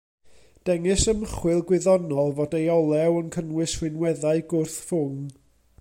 Dengys ymchwil gwyddonol fod ei olew yn cynnwys rhinweddau gwrth-ffwng.